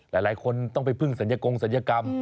หลายคนต้องไปพึ่งศัลยกงศัลยกรรม